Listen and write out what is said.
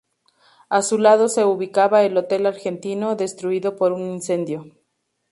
A su lado se ubicaba el "Hotel Argentino", destruido por un incendio.